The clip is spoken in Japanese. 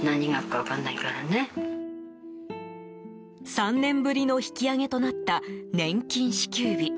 ３年ぶりの引き上げとなった年金支給日。